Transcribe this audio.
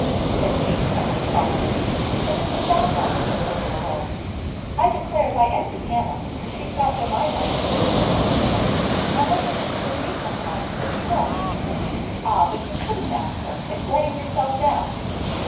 said she, somewhat crossly. "But it's a sad life, this living alone. I declares I envy Hannah, 'cause she's got Jemima to sit in the kitchen with her. I want her to sit with me sometimes, but she won't." "Ah! but you shouldn't ask her. It's letting yourself down."